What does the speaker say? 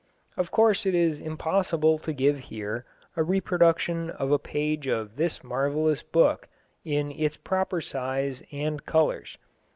Of course it is impossible to give here a reproduction of a page of this marvellous book in its proper size and colours.